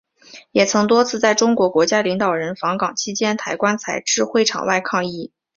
也曾多次在中国国家领导人访港期间抬棺材至会场外抗议。